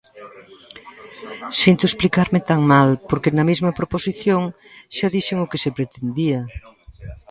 Sinto explicarme tan mal, porque na mesma proposición xa dixen o que se pretendía.